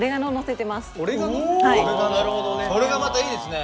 それがまたいいですね。